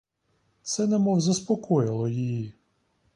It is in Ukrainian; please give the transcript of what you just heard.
Це немов заспокоїло її.